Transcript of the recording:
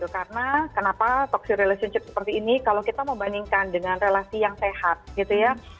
karena kenapa toxic relationship seperti ini kalau kita membandingkan dengan relasi yang sehat gitu ya